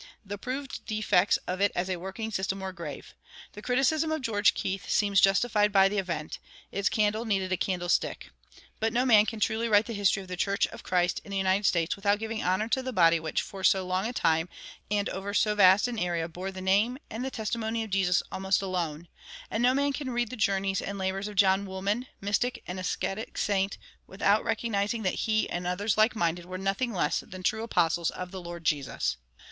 The proved defects of it as a working system were grave. The criticism of George Keith seems justified by the event its candle needed a candlestick. But no man can truly write the history of the church of Christ in the United States without giving honor to the body which for so long a time and over so vast an area bore the name and testimony of Jesus almost alone; and no man can read the journeys and labors of John Woolman, mystic and ascetic saint, without recognizing that he and others like minded were nothing less than true apostles of the Lord Jesus.